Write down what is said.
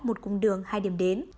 một cung đường hai điểm đến